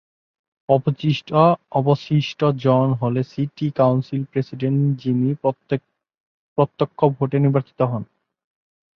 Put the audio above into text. অবশিষ্ট জন হলেন সিটি কাউন্সিল প্রেসিডেন্ট, যিনি প্রত্যক্ষ ভোটে নির্বাচিত হন।